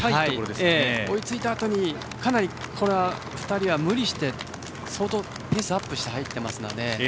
追いついたあとかなり、２人は無理して相当、ペースアップして入っていますので。